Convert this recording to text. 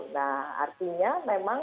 nah artinya memang